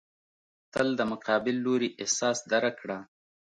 تل د مقابل لوري احساس درک کړه.